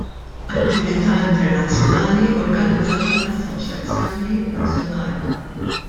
Attività internazzjonali organizzata minn assoċjazzjoni nazzjonali.